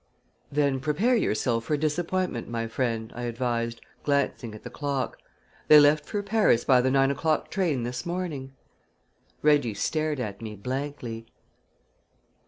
"Then prepare yourself for a disappointment, my friend," I advised, glancing at the clock. "They left for Paris by the nine o'clock train this morning." Reggie stared at me blankly.